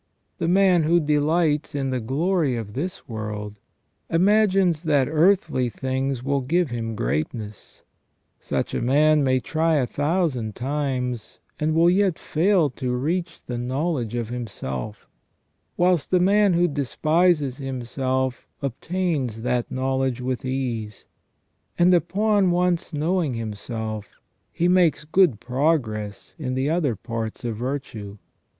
The man who delights in the glory of this world imagines that earthly things will give him greatness; such a man may try a thousand times, and will yet fail to reach the knowledge of himself; whilst the man who despises himself obtains that knowledge with ease. And upon once knowing himself, he makes good progress in the other parts of virtue.